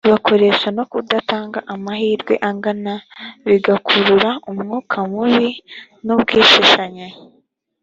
bakoresha no kudatanga amahirwe angana bigakurura umwuka mubi n ubwishishanye